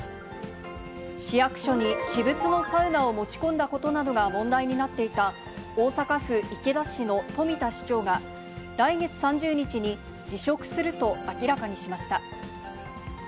市役所に私物のサウナを持ち込んだことが問題になっていた、大阪府池田市の冨田市長が、来月３０日に辞職すると明らかにしました。